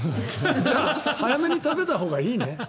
じゃあ早めに食べたほうがいいね。